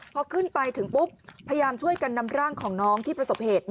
พอขึ้นไปถึงปุ๊บพยายามช่วยกันนำร่างของน้องที่ประสบเหตุ